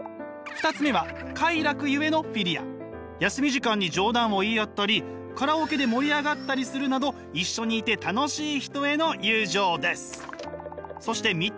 休み時間に冗談を言い合ったりカラオケで盛り上がったりするなど一緒にいて楽しい人への友情です。